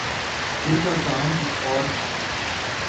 جن کا کام کچھ اور ہے۔